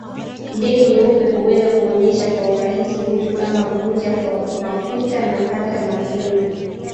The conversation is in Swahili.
Ndege nyeupe huweza kuonesha kwa urahisi vitu kama kuvuja kwa mafuta na hata matundu